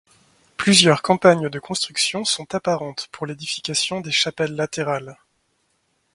Plusieurs campagnes de construction sont apparentes pour l'édification des chapelles latérales.